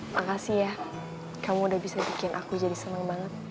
makasih ya kamu udah bisa bikin aku jadi senang banget